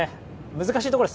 難しいところです。